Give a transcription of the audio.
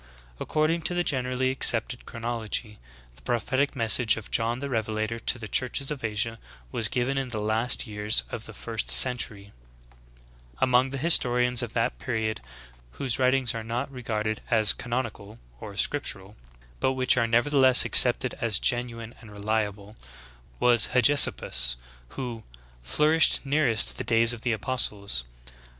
According to the generally accepted chron ology, the prophetic message of John the Revelator to the churches of Asia was given in the last years of the first 17 J Among the historians of that period whose writings are not regarded as canonical or scriptural, but which are nevertheless accepted as genuine and reliable, was Hegesip pus, who, "flourished nearest the days of the apostles."